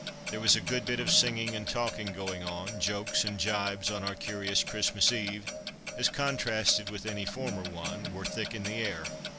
There was a good bit of singing and talking going on, jokes and jibes on our curious Christmas Eve, as contrasted with any former one, were thick in the air.